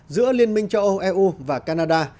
giữa liên minh châu âu eu và canada